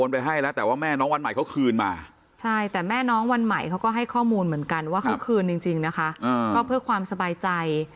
ผมสงสัยเหมือนกันว่าเขาคลืนจริงนะคะก็เพื่อความสบายใจ